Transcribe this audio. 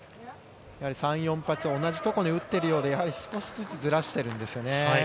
やはり３、４発、同じとこに打ってるようで、やはり少しずつずらしてるんですよね。